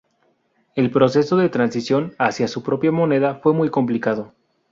El proceso de transición hacia su propia moneda fue muy complicado.